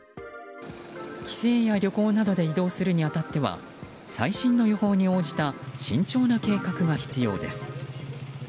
帰省や旅行などで移動するに当たっては最新の予報に応じた慎重な計画が必要です。